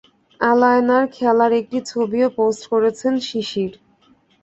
আলায়নার খেলার একটি ছবিও পোস্ট করেছেন শিশির।